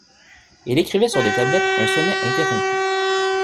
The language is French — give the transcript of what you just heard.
Elle écrivait sur des tablettes un sonnet interrompu.